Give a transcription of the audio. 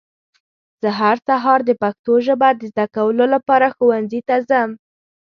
زه هر سهار د پښتو ژبه د ذده کولو لپاره ښونځي ته ځم.